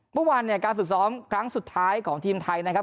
วันวานการศึกษ้อมครั้งสุดท้ายของทีมไทยนะครับ